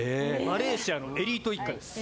マレーシアのエリート一家です。